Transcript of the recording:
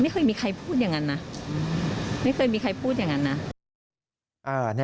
ไม่เคยมีใครพูดอย่างนั้นนะ